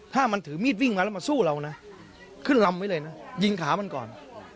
ถ้ามันถือมีดวิ่งมาแล้วมาสู้เรานะขึ้นลำไว้เลยนะยิงขามันก่อน